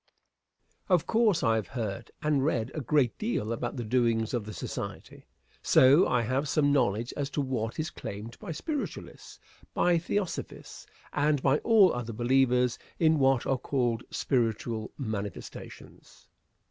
Answer. Of course I have heard and read a great deal about the doings of the Society; so, I have some knowledge as to what is claimed by Spiritualists, by Theosophists, and by all other believers in what are called "spiritual manifestations."